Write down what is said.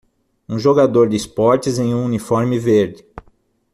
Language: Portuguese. Um jogador de esportes em um uniforme verde.